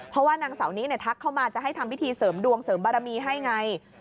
เพราะว่านางสาวนี้ทักเข้ามาจะให้ทำพิธีเสริมดวงเสริมบารมีให้ไง